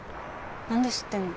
なんで知ってんの？